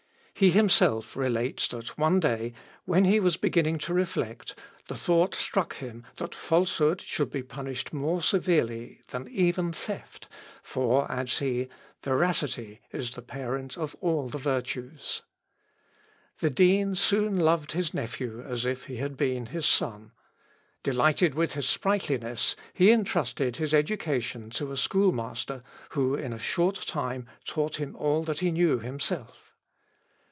He himself relates that one day, when he was beginning to reflect, the thought struck him that falsehood should be punished more severely than even theft; "for," adds he, "veracity is the parent of all the virtues." The dean soon loved his nephew as if he had been his son; delighted with his sprightliness, he entrusted his education to a schoolmaster who in a short time taught him all that he knew himself.